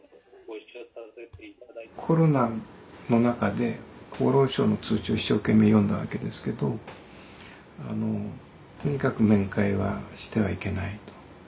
コロナの中で厚労省の通知を一生懸命読んだわけですけどあのとにかく面会はしてはいけないと。